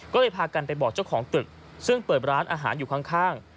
ก็เลยพากันไปบอกเจ้าของตึกซึ่งเปิดร้านอาหารอยู่ข้าง